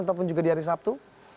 ataupun juga di hari sabtu